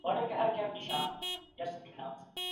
د قصاص قانون په ټولنه کي د سولې ضامن دی.